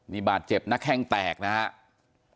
นี่บาดเจ็บนะแข้งแตกนะครับ